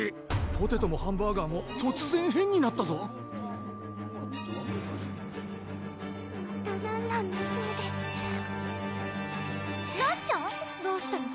ポテトもハンバーガーも突然変になったぞまたらんらんのせいでらんちゃん⁉どうしたの？